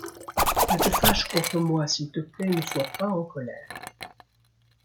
Ne te fâche contre moi, s'il te plaît ne soit pas en colère.